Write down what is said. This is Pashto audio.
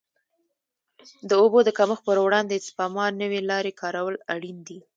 د اوبو د کمښت پر وړاندې د سپما نوې لارې کارول اړین دي.